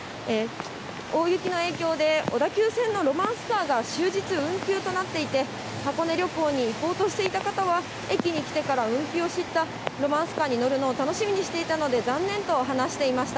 大雪の影響で小田急線のロマンスカーが終日、運休となっていて、箱根旅行に行こうとしていた方は、駅に来てから運休を知った、ロマンスカーに乗るのを楽しみにしていたので残念と話していました。